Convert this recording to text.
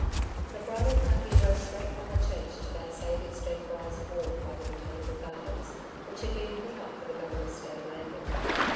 The bridal party drove straight from the Church to that same extemporized wharf by the Botanical Gardens which had been put up for the Governor's State Landing.